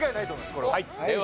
これは。